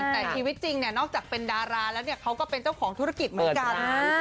แต่ชีวิตจริงเนี่ยนอกจากเป็นดาราแล้วเนี่ยเขาก็เป็นเจ้าของธุรกิจเหมือนกัน